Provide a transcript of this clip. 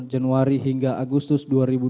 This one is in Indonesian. januari hingga agustus dua ribu dua puluh